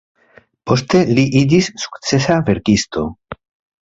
Poste li iĝis sukcesa verkisto.